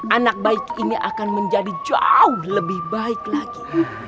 anak baik ini akan menjadi jauh lebih baik lagi